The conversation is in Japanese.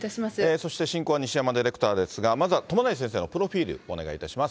そして進行は西山ディレクターですが、まずは友成先生のプロフィール、お願いいたします。